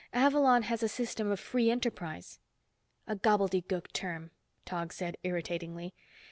Avalon has a system of free enterprise." "A gobbledygook term," Tog said, irritatingly.